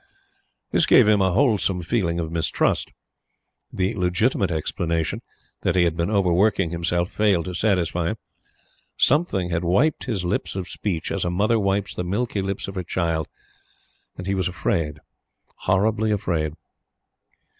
This gave him a wholesome feeling of mistrust. The legitimate explanation, that he had been overworking himself, failed to satisfy him. Something had wiped his lips of speech, as a mother wipes the milky lips of her child, and he was afraid horribly afraid.